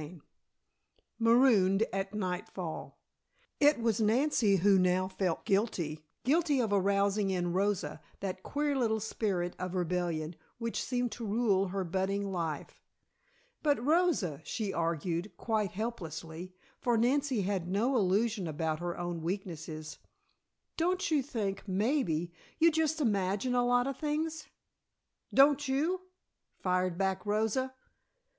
CHAPTER X MAROONED AT NIGHTFALL It was Nancy who now felt guilty guilty of arousing in Rosa that queer little spirit of rebellion which seemed to rule her budding life. "But, Rosa," she argued, quite helplessly, for Nancy had no illusion about her own weaknesses, "don't you think, maybe, you just imagine a lot of things?" "Don't you?" fired back Rosa.